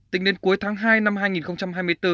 tính đến cuối tháng hai năm hai nghìn hai mươi bốn